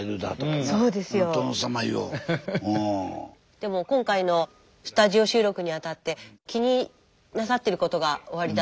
でも今回のスタジオ収録にあたって気になさってることがおありだったと聞いてます。